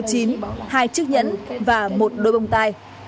hai chức nhẫn và một đôi bông tai